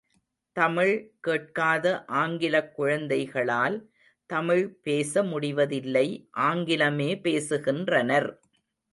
தமிழ் கேட்காத ஆங்கிலக் குழந்தைகளால் தமிழ் பேச முடிவதில்லை ஆங்கிலமே பேசுகின்றனர்.